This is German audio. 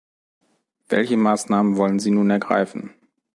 Welche Maßnahmen wollen Sie nun ergreifen?